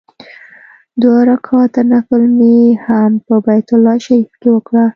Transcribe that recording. دوه رکعاته نفل مې هم په بیت الله شریفه کې وکړ.